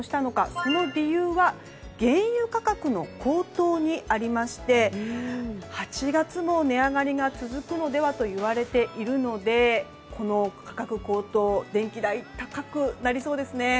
その理由が原油価格の高騰にありまして８月も値上がりが続くのではといわれているのでこの価格高騰電気代、高くなりそうですね。